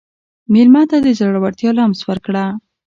مېلمه ته د زړورتیا لمس ورکړه.